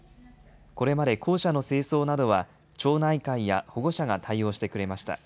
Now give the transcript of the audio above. これまで校舎の清掃などは町内会や保護者が対応してくれました。